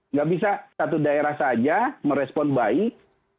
nggak bisa satu daerah saja merespon baik